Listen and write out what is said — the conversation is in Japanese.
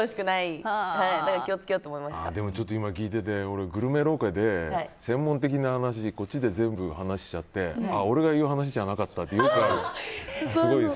今聞いてて、俺グルメロケで専門的な話こっちで全部話しちゃって俺が言う話じゃなかったってよくある。